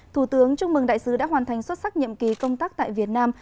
thủ tướng chúc mừng đại sứ đã hoàn thành xuất sắc nhiệm kỳ công tác tại việt nam